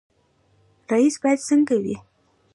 رئیس باید څنګه وي؟